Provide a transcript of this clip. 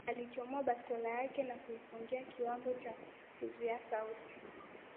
Alichomoa bastola yake na kuifungia kiwambo cha kuzuia sauti